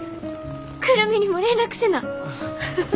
久留美にも連絡せな！